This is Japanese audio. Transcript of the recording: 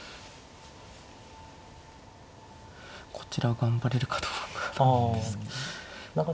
こちら頑張れるかどうかですね。